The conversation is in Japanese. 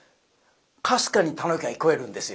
かすかに「田能久」が聞こえるんですよ。